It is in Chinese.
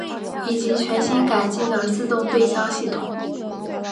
以及全新改进的自动对焦系统。